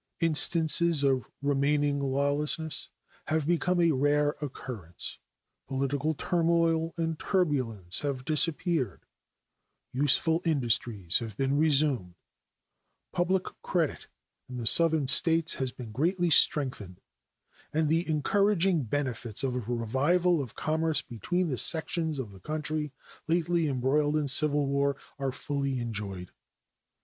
Instances of remaining lawlessness have become of rare occurrence; political turmoil and turbulence have disappeared; useful industries have been resumed; public credit in the Southern States has been greatly strengthened, and the encouraging benefits of a revival of commerce between the sections of the country lately embroiled in civil war are fully enjoyed.